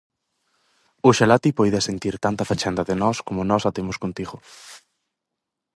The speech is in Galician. Oxalá ti poidas sentir tanta fachenda de nós como nós a temos contigo.